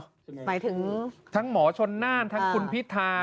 หมายถึงทั้งหมอชนน่านทั้งคุณพิธา